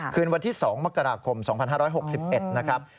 คืนวันที่๒มกราคม๒๕๖๑นะครับ